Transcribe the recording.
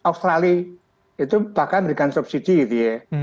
australia itu bahkan memberikan subsidi gitu ya